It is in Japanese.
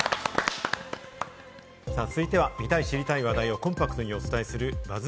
続いては、見たい知りたい話題をコンパクトにお伝えするＢＵＺＺ